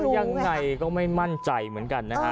ยังไงก็ไม่มั่นใจเหมือนกันนะฮะ